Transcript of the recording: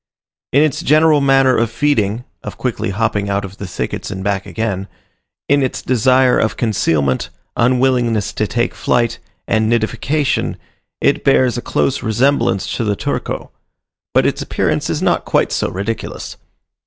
In its general manner of feeding, of quickly hopping out of the thickets and back again, in its desire of concealment, unwillingness to take flight, and nidification, it bears a close resemblance to the Turco; but its appearance is not quite so ridiculous.